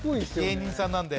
芸人さんなんで。